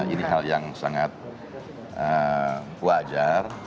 ini hal yang sangat wajar